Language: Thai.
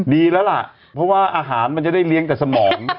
ดีแล้วล่ะเพราะว่าอาหารมันจะได้เลี้ยงแต่สมอง